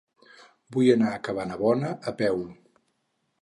Vull anar a Cabanabona a peu.